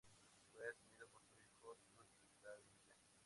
Fue sucedido por su hijo, Tudhaliya.